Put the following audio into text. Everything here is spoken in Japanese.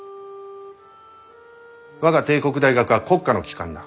我が帝国大学は国家の機関だ。